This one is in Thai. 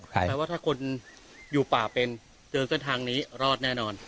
แปลว่าถ้าคนอยู่ป่าเป็นเจอเส้นทางนี้รอดแน่นอน